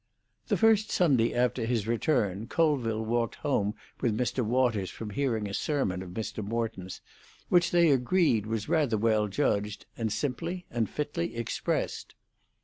The first Sunday after his return, Colville walked home with Mr. Waters from hearing a sermon of Mr. Morton's, which they agreed was rather well judged, and simply and fitly expressed.